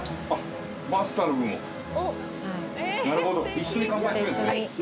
一緒に乾杯するんですね。